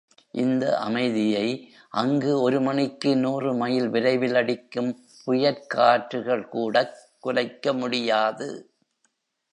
இந்த அமைதியை அங்கு ஒரு மணிக்கு நூறு மைல் விரைவில் அடிக்கும் புயற்காற்றுகள் கூடக் குலைக்க முடியாது.